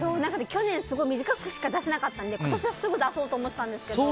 去年、すごい短くしか出せなかったので今年はすぐ出そうと思ってたんですけど。